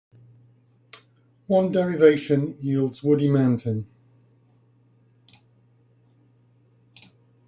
One derivation yields "woody mountain".